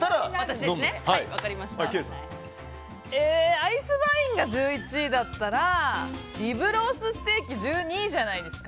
アイスバインが１１位だったらリブロースステーキ１２位じゃないですか。